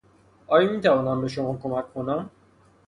آیا میتوانم به شما کمک کنم؟